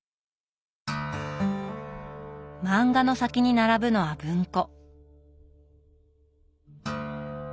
漫画の先に並ぶのは文庫。